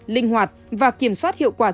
linh hoạt và kiểm soát hiệu quả